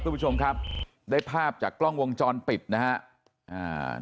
ครับต้องชมครับได้ภาพจากกล้องวงจรปิดนะฮะ